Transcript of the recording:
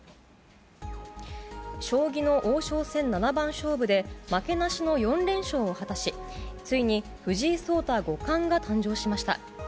将棋の王将戦七番勝負で、負けなしの４連勝を果たし、ついに藤井聡太五冠が誕生しました。